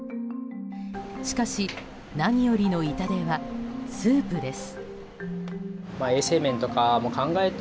しかし、何よりの痛手はスープです。